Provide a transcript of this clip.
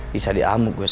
bisa diamuk gue sama dia